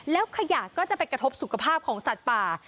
แล้วขยะก็จะไปกระทบสุขภาพของสัตว์ป่า